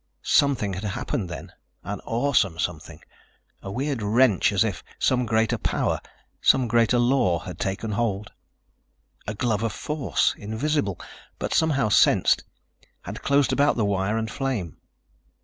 Something had happened then ... an awesome something. A weird wrench as if some greater power, some greater law had taken hold. A glove of force, invisible, but somehow sensed, had closed about the wire and flame.